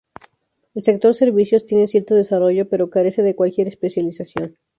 El sector servicios tiene cierto desarrollo pero carece de cualquier especialización.